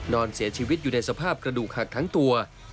นอนเสียชีวิตอยู่ในสภาพกระดูกหักทั้งตัว